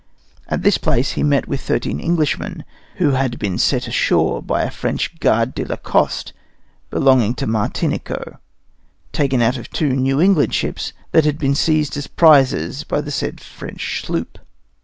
At this place he met with thirteen Englishmen, who had been set ashore by a French Guard de la Coste, belonging to Martinico, taken out of two New England ships that had been seized as prizes by the said French sloop.